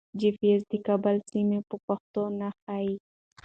جي پي ایس د کابل سیمې په پښتو نه ښیي.